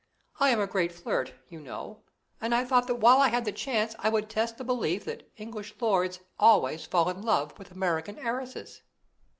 I am a great flirt, you know, and I thought that while I had the chance I would test the belief that English lords always fall in love with American heiresses."